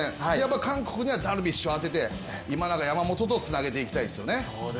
韓国にはダルビッシュを当てて今永、山本とつなげていきたいですね。